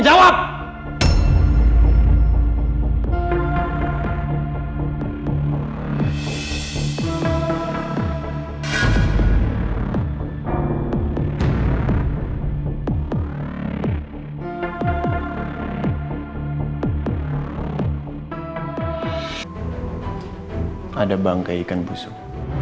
ada bangka ikan busuk